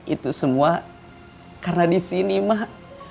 itu semua karena disini mak